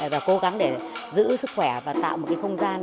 và cố gắng để giữ sức khỏe và tạo một cái không gian